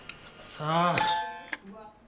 さあ。